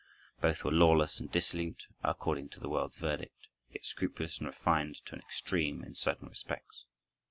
Both were lawless and dissolute, according to the world's verdict, yet scrupulous and refined to an extreme in certain respects.